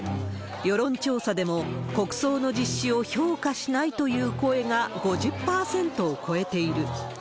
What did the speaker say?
世論調査でも、国葬の実施を評価しないという声が５０％を超えている。